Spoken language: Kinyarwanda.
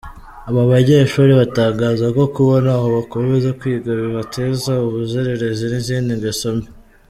Abo banyeshuri batangaza ko kuba ntaho bakomeza kwiga bibateza ubuzererezi n’izindi ngeso mbi.